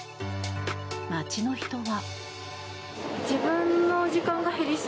街の人は。